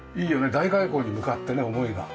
大開口に向かってね思いが。